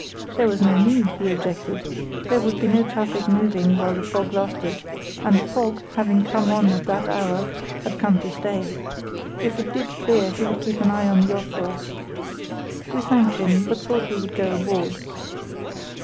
There was no need, he objected; there would be no traffic moving while the fog lasted, and the fog, having come on at that hour, had come to stay. If it did clear he would keep an eye on the yacht for us. We thanked him, but thought we would go aboard.